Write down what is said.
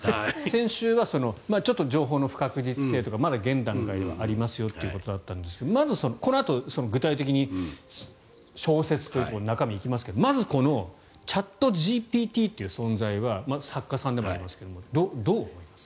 先週は情報の不確実性とかまだ現段階ではありますよということだったんですがこのあと具体的に小説という中身に行きますがまずこのチャットＧＰＴっていう存在は作家さんでもありますがどう思います？